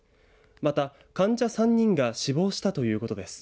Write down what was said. また、患者３人が死亡したいうことです。